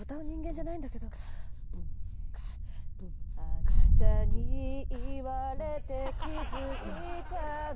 「あなたに言われて気づいたの」